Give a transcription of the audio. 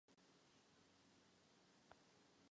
Dvorec se skládal ze dvou úrovní.